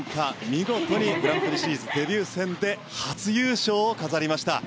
見事にグランプリシリーズデビュー戦で初優勝を飾りました。